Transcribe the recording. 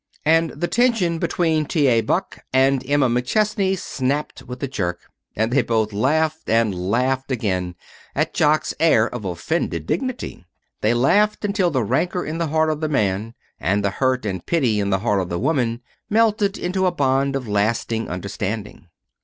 And the tension between T. A. Buck and Emma McChesney snapped with a jerk, and they both laughed, and laughed again, at Jock's air of offended dignity. They laughed until the rancor in the heart of the man and the hurt and pity in the heart of the woman melted into a bond of lasting understanding.